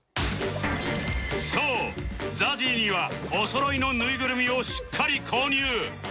そう ＺＡＺＹ にはおそろいのぬいぐるみをしっかり購入